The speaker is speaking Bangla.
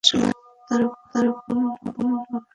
তারা বলল, শাম দেশে।